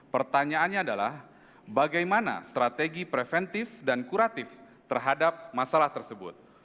pertanyaannya adalah bagaimana strategi preventif dan kuratif terhadap masalah tersebut